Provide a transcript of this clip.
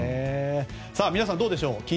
皆さん、どうでしょう。